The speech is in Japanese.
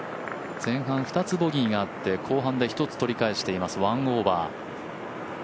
前半２つボギーがあって後半、２つ取り返しています。